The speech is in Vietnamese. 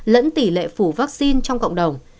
lẫn tỷ lệ phủ vaccine trong cộng đồng